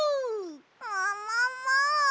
ももも！